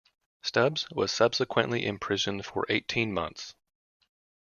Stubbs was subsequently imprisoned for eighteen months.